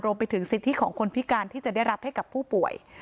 ไปถึงสิทธิของคนพิการที่จะได้รับให้กับผู้ป่วย